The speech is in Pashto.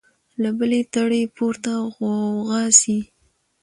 له بلي تړي پورته غوغا سي